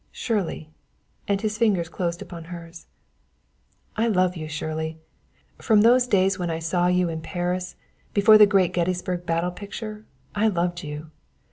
"Shirley!" and his fingers closed upon hers. "I love you, Shirley! From those days when I saw you in Paris, before the great Gettysburg battle picture, I loved you.